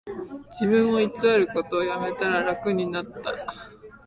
自分を偽ることをやめたら楽になった